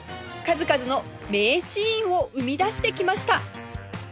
数々の名シーンを生み出してきました